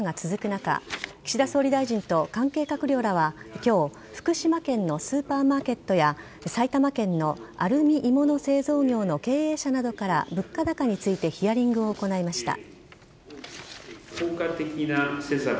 中岸田総理大臣と関係閣僚らは今日福島県のスーパーマーケットや埼玉県のアルミ鋳物製造業の経営者などから物価高についてヒアリングを行いました。